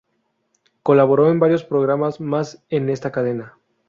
Colaboró en varios programas más en esta cadena.